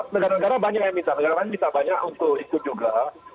negara negara banyak yang minta negaranya minta banyak untuk ikut juga